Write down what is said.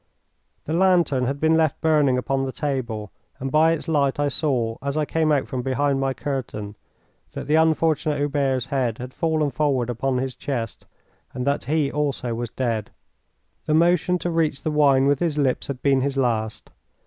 The lantern had been left burning upon the table, and by its light I saw, as I came out from behind my curtain, that the unfortunate Hubert's head had fallen forward upon his chest and that he also was dead. That motion to reach the wine with his lips had been his last.